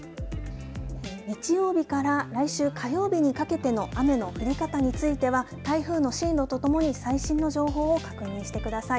日曜日から来週火曜日にかけての雨の降り方については台風の進路とともに最新の情報を確認してください。